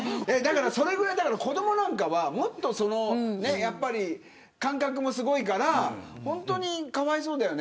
それぐらい、子どもなんかはもっと感覚もすごいから本当にかわいそうだよね。